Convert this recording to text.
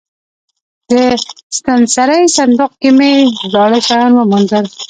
د ستنسرۍ صندوق کې مې زاړه شیان وموندل.